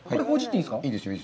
いいですよ。